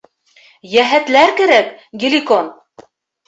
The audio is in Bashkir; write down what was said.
Йәһәтләр кәрәк, Геликон.